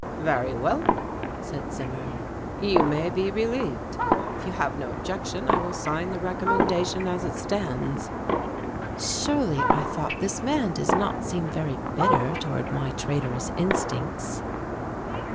"Very well," said Zimmern, "you may be relieved. If you have no objection I will sign the recommendation as it stands." Surely, I thought, this man does not seem very bitter toward my traitorous instincts.